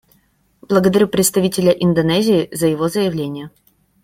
Благодарю представителя Индонезии за его заявление.